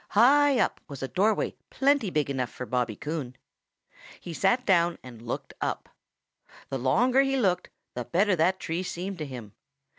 High up was a doorway plenty big enough for Bobby Coon. He sat down and looked up. The longer he looked, the better that tree seemed to him.